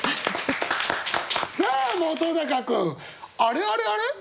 さあ本君あれあれあれ？